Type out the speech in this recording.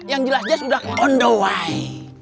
yang jelas jelas udah on the way